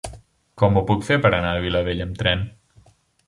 Com ho puc fer per anar a Vilabella amb tren?